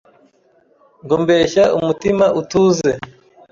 ngo mbeshya umutima utuze